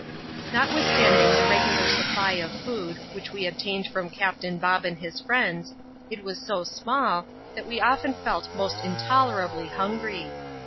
Notwithstanding the regular supply of food which we ob tained from Captain Bob and his friends, it was so small, that we often felt most intolerably hungry.